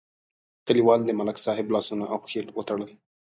کلیوالو د ملک صاحب لاسونه او پښې وتړل.